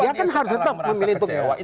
dia kan harus tetap memilih untuk